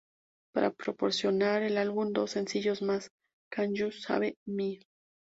Para promocionar el álbum, dos sencillos más, "Can You Save Me?